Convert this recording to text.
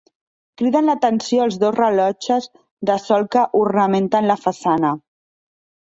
Criden l'atenció els dos rellotges de sol que ornamenten la façana.